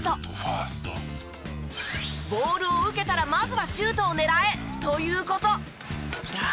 「ボールを受けたらまずはシュートを狙え」という事。